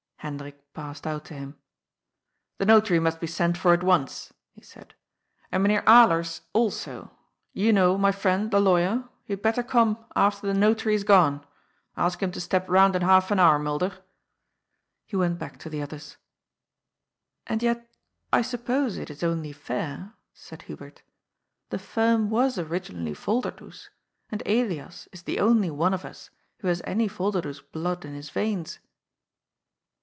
Hendrik passed out to him. " The notary must be sent for at once," he said. "And Mynheer Alers, also. You know, my friend, the lawyer. He had better come after the NO THOROUGHFARE, AND THE WAY OUT. 117 notary is gone. Ask him to step round in half an hour, Mulder." He went back to the others. And yet>I suppose it is only fair," said Hubert " The firm was originally Yolderdoes, and Mias is the only one of us who has any Volderdoes blood in his yeins."